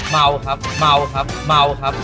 เมาครับเมาครับเมาครับ